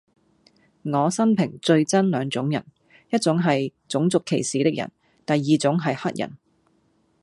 我生平最憎兩種人:一種系種族歧視的人,第二種系黑人